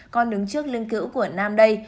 con đứng trước lưng cữ của nam đây